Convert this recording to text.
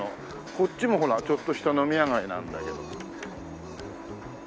こっちもほらちょっとした飲み屋街なんだけど。